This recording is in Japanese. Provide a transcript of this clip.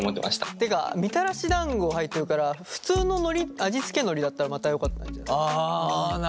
っていうかみたらし団子入ってるから普通ののり味付けのりだったらまたよかったんじゃないかな。